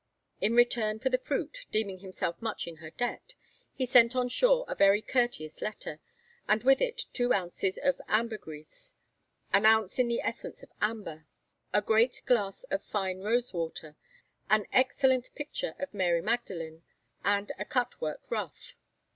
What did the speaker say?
In return for the fruit, deeming himself much in her debt, he sent on shore a very courteous letter, and with it two ounces of ambergriece, an ounce of the essence of amber, a great glass of fine rose water, an excellent picture of Mary Magdalen, and a cut work ruff.